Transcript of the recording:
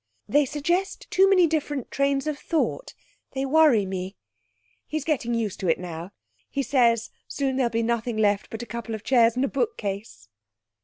They suggest too many different trains of thought. They worry me. He's getting used to it now. He says, soon there'll be nothing left but a couple of chairs and a bookcase!'